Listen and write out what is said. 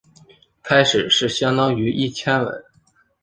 开始是相当于一千文。